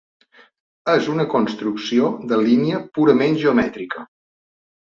És una construcció de línia purament geomètrica.